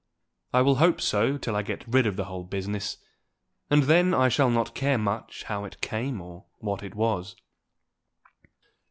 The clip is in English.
I will hope so till I get rid of the whole business, and then I shall not care much how it came or what it was.